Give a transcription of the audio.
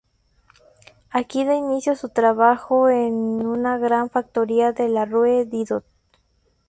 Aquí da inicio a su trabajo en una gran factoría de la Rue Didot.